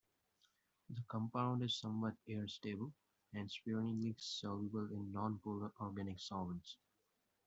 The compound is somewhat air-stable and sparingly soluble in nonpolar organic solvents.